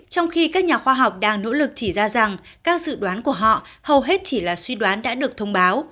trong khi các nhà khoa học đang nỗ lực chỉ ra rằng các dự đoán của họ hầu hết chỉ là suy đoán đã được thông báo